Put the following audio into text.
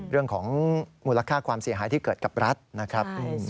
เรื่องของมูลค่าความเสียหายที่เกิดกับรัฐนะครับ